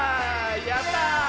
やった！